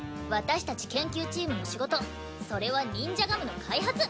私たち研究チームの仕事それはニンジャガムの開発。